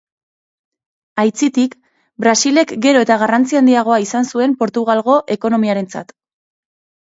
Aitzitik, Brasilek gero eta garrantzi handiagoa izan zuen Portugalgo ekonomiarentzat.